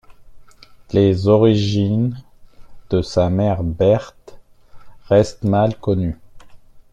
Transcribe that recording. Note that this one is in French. Les origines de sa mère, Berthe, restent mal connues.